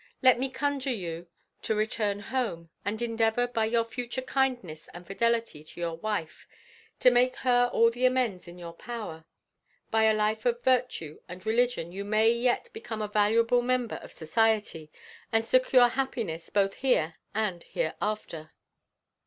Let me conjure you to return home, and endeavor, by your future kindness and fidelity to your wife, to make her all the amends in your power. By a life of virtue and religion, you may yet become a valuable member of society, and secure happiness both here and hereafter."